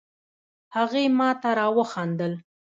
هغې ماته را وخندل